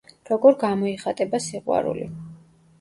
როგორ გამოიხატება სიყვარული?